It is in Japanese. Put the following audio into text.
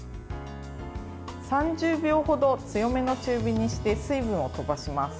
３０秒程、強めの中火にして水分をとばします。